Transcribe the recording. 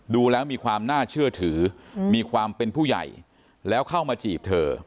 ดูแล้วมีความน่าเชื่อถือมีความเป็นผู้ใหญ่แล้วเข้ามาจีบเธอ